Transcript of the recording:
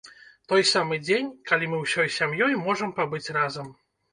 Той самы дзень, калі мы ўсёй сям'ёй можам пабыць разам.